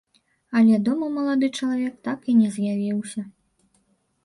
Але дома малады чалавек так і не з'явіўся.